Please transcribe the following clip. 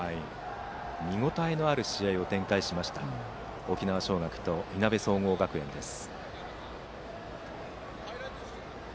見応えのある試合を展開しました沖縄尚学といなべ総合学園です。